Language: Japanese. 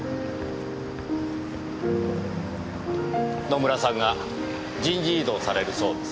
野村さんが人事異動されるそうです。